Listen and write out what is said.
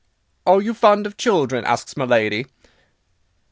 "'Are you fond of children,' asks my lady.